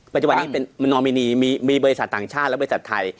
ปัจจุบันนี้เป็นนอมินีมีบริษัทต่างชาติและบริษัทไทย